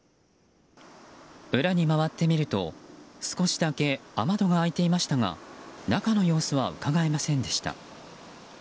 裏に回ってみると少しだけ雨戸が開いていましたが中の様子はうかがえませんでした。